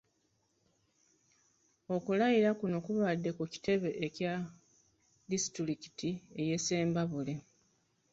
Okulayira kuno kubadde ku kitebe kya disitulikiti y’e Ssembabule.